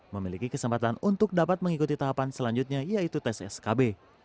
memiliki kesempatan untuk dapat mengikuti tahapan selanjutnya yaitu tes skb